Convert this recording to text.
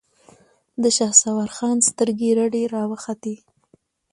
د شهسوار خان سترګې رډې راوختې.